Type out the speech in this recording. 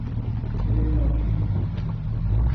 Eleanor Little.